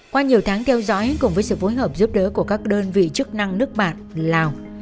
qua nhiều tháng theo dõi cùng với sự phối hợp giúp đỡ của các đơn vị chức năng nước bạn lào